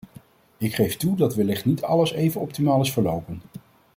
Ik geef toe dat wellicht niet alles even optimaal is verlopen.